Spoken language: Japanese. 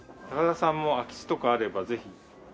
高田さんも空き地とかあればぜひ。